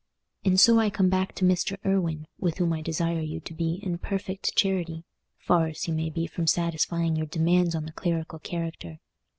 And so I come back to Mr. Irwine, with whom I desire you to be in perfect charity, far as he may be from satisfying your demands on the clerical character.